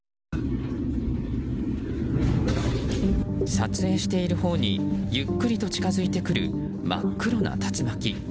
撮影しているほうにゆっくりと近づいてくる真っ黒な竜巻。